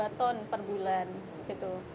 dua ton per bulan gitu